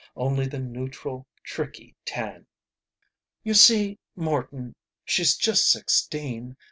Only the neutral, tricky tan. "You see, Morton, she's just sixteen.